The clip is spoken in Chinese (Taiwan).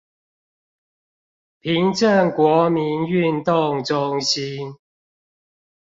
平鎮國民運動中心